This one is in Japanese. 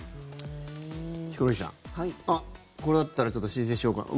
ヒコロヒーさんあっ、これだったらちょっと申請しようかな